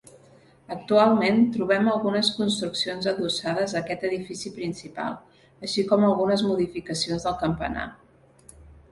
Actualment trobem algunes construccions adossades a aquest edifici principal, així com algunes modificacions del campanar.